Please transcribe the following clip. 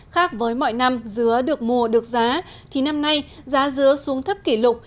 khác với mọi năm dứa được mùa được giá thì năm nay giá dứa xuống thấp kỷ lục